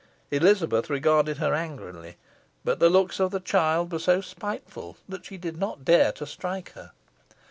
Elizabeth regarded her angrily; but the looks of the child were so spiteful, that she did not dare to strike her.